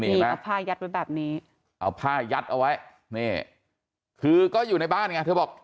นี่เอาผ้ายัดไว้แบบนี้เอาผ้ายัดเอาไว้นี่คือก็อยู่ในบ้านไงเธอบอก